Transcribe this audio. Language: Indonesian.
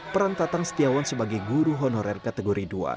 peran tatang setiawan sebagai guru honorer kategori dua